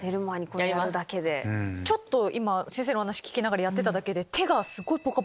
ちょっと今先生のお話聞きながらやってただけで。